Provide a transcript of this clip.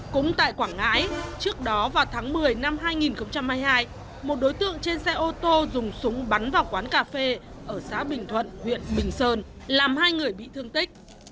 cũng tại quảng ngãi trước đó vào tháng một mươi năm hai nghìn hai mươi hai một đối tượng trên xe ô tô dùng súng bắn vào quán cà phê ở xã bình thuận huyện bình sơn làm hai người bị thương tích